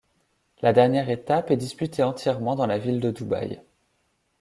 La dernière étape est disputée entièrement dans la ville de Dubaï.